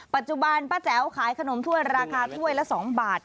ปัจจุบันป้าแจ๋วขายขนมถ้วยราคาถ้วยละ๒บาท